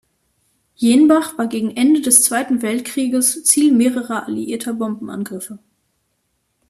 Jenbach war gegen Ende des Zweiten Weltkrieges Ziel mehrerer alliierter Bombenangriffe.